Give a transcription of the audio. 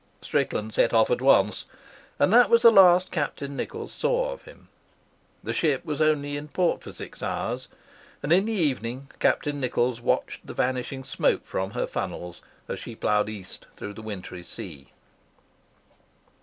Strickland set off at once, and that was the last Captain Nichols saw of him. The ship was only in port for six hours, and in the evening Captain Nichols watched the vanishing smoke from her funnels as she ploughed East through the wintry sea.